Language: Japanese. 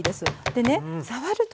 でね触るとね